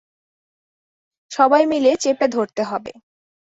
সবাই মিলে চেপে ধরতে হবে।